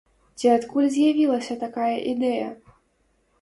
Ці адкуль з'явілася такая ідэя?